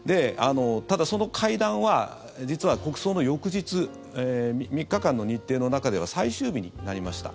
ただ、その会談は実は国葬の翌日３日間の日程の中では最終日になりました。